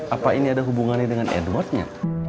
apa ini ada hubungannya dengan edwardnya